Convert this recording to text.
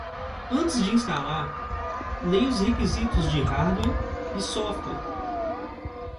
Antes de instalar, leia os requisitos de hardware e software.